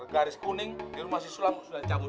garis kuning di rumah si sulam sudah cabut